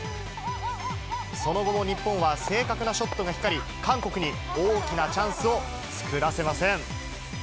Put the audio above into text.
その後も日本は正確なショットが光り、韓国に大きなチャンスを作らせません。